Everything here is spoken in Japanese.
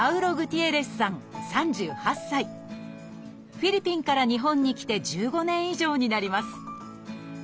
フィリピンから日本に来て１５年以上になります